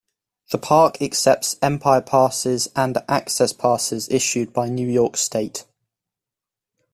The park accepts Empire Passes and Access Passes issued by New York State.